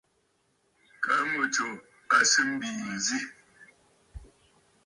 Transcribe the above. Kaa ŋù tsù à sɨ mbìì zî.